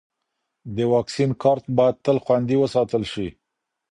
د واکسین کارت باید تل خوندي وساتل شي.